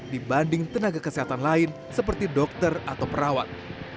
dibanding tenaga kesehatan lain seperti dokter atau perawat